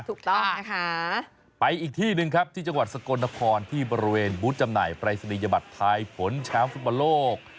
ถูกต้องนะคะไปอีกที่หนึ่งครับที่จังหวัดสกลนครที่บริเวณบูธจำหน่ายปรายศนียบัตรทายผลแชมป์ฟุตบอลโลก